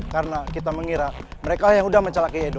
karena kita mengira mereka yang udah mencalaki edo